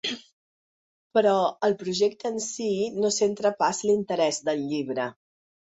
Però el projecte en si no centra pas l’interès del llibre.